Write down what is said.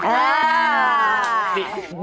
อ่า